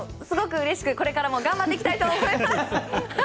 すごくうれしくこれからも頑張っていきたいと思います。